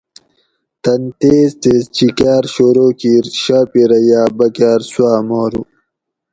تن تیز تیز چِکاۤر شورو کِیر شاپِیرہ یاۤ بکاۤر سُواۤ مارو